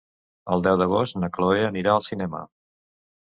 El deu d'agost na Chloé anirà al cinema.